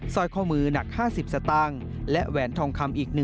สร้อยข้อมือหนัก๕๐สตางค์